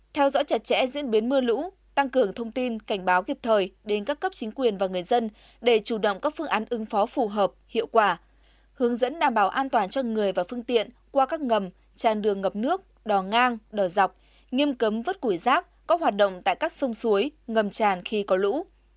theo dõi chặt chẽ diễn biến mưa lũ tăng cường thông tin cảnh báo kịp thời đến các cấp chính quyền và người dân để chủ động các phương án ứng phó phù hợp hiệu quả hướng dẫn đảm bảo an toàn cho người và phương tiện qua các ngầm tràn đường ngập nước đò ngang đò dọc nghiêm cấm vứt củi rác có hoạt động tại các sông suối ngầm tràn khi có lũ